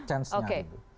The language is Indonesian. chance nya gitu